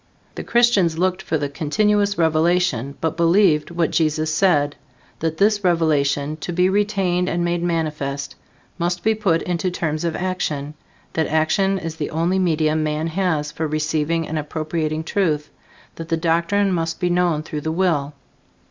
The Christians looked for the continuous revelation, but believed what Jesus said, that this revelation, to be retained and made manifest, must be put into terms of action; that action is the only medium man has for receiving and appropriating truth; that the doctrine must be known through the will.